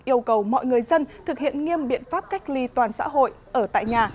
yêu cầu mọi người dân thực hiện nghiêm biện pháp cách ly toàn xã hội ở tại nhà